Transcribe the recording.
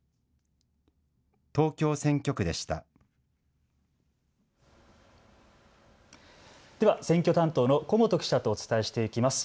では選挙担当の古本記者とお伝えしていきます。